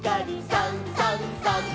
「さんさんさん」